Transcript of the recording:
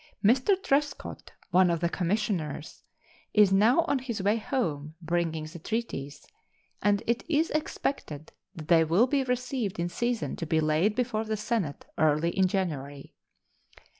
Mr. Trescot, one of the commissioners, is now on his way home bringing the treaties, and it is expected that they will be received in season to be laid before the Senate early in January.